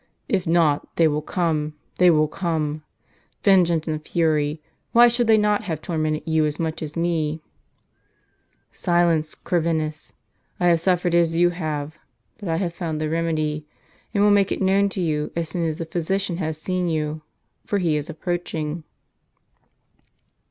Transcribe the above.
If not, they will come, they will come ! Vengeance and fury ! why should they not have tormented you as much as me ?" "Silence, Corvinus; I have suffered as you have. But I have found the remedy, and will make it known to you, as soon as the physician has seen you, for he is approach ing."